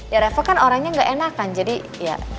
ya reva kan orangnya enggak enakan jadi ya